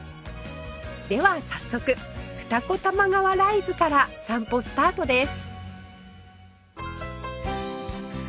では早速二子玉川ライズから散歩スタートです